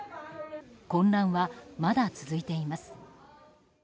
混乱は、まだ続いています。